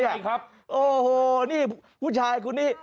ยังไงครับโอ้โหนี่ผู้ชายคุณนี่